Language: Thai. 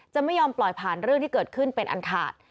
จะไม่ยอมปล่อยผ่านเรื่องที่เกิดขึ้นเป็นอันขาด